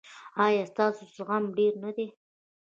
ایا ستاسو زغم ډیر نه دی؟